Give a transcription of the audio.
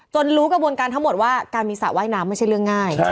รู้กระบวนการทั้งหมดว่าการมีสระว่ายน้ำไม่ใช่เรื่องง่าย